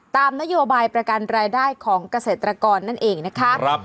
ตามนโยบายประกันรายได้ของเกษตรกรนั่นเองนะคะ